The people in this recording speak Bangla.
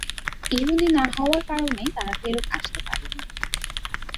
ইহুদি না হওয়ার কারণে তারা ফেরত আসতে পারেনি।